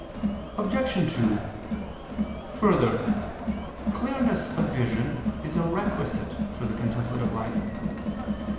Obj. 2: Further, clearness of vision is a requisite for the contemplative life.